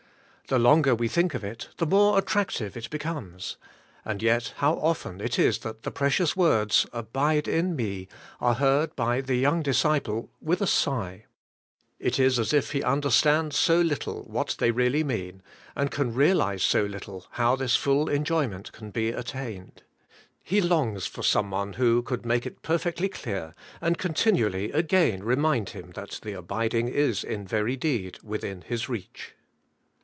The longer we think of it, the more attractive it becomes. And yet how often it is that the precious words, 'Abide in me,' are heard by the young disciple with a sigh ! It is as if he understands so little what they really mean, and can realize so little how^ this full enjoyment can be attained. He longs for some one who could make it perfectly clear, and continually again remind him that the abiding is in very deed within his reach.